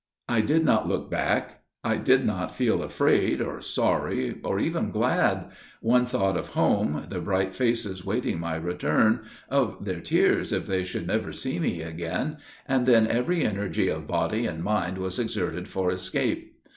I did not look back; I did not feel afraid, or sorry, or even glad; one thought of home, the bright faces waiting my return of their tears, if they should never see me again, and then every energy of body and mind was exerted for escape.